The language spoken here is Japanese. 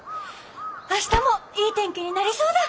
明日もいい天気になりそうだ！